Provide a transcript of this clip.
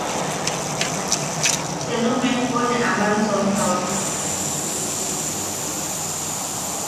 Senu mejpo ne ama sontaotuk.